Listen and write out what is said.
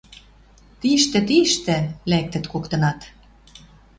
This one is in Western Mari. «Тиштӹ, тиштӹ! — Лӓктӹт коктынат. —